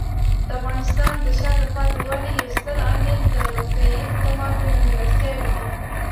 د افغانستان د شاته پاتې والي یو ستر عامل د روغتیايي خدماتو نیمګړتیاوې دي.